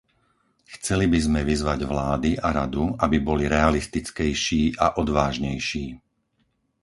Chceli by sme vyzvať vlády a Radu, aby boli realistickejší a odvážnejší.